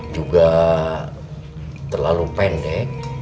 juga terlalu pendek